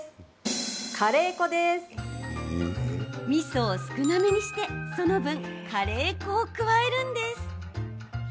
みそを少なめにしてその分、カレー粉を加えるんです。